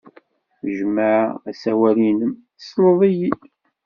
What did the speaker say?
Jmeɛ asawal-nnem, tesled-iyi-d.